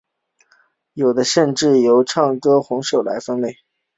有的甚至由唱红的歌手来分类。